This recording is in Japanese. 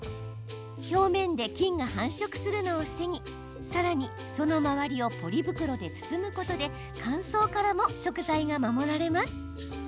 表面で菌が繁殖するのを防ぎさらにその周りをポリ袋で包むことで乾燥からも食材が守られます。